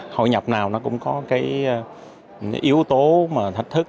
hội nhập nào nó cũng có cái yếu tố mà thách thức